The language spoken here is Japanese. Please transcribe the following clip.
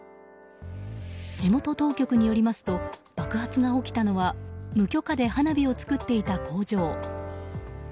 地元当局によりますと爆発が起きたのは無許可で花火を作っていた工場。